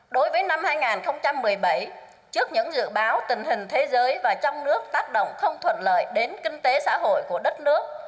đối với năm hai nghìn một mươi bảy trước những dự báo tình hình thế giới và trong nước tác động không thuận lợi đến kinh tế xã hội của đất nước